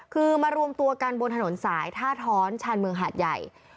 คือมารวมตัวกันบนถนนสายท่าท้อนชานเมืองหาดใหญ่